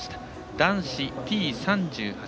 男子Ｔ３８